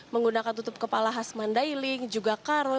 menggunakan tutup kepala khas mandailing juga karo